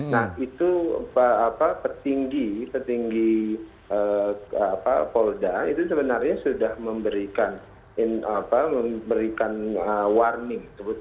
nah itu petinggi petinggi polda itu sebenarnya sudah memberikan warning